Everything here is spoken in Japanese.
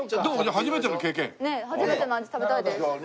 初めての味食べたいです。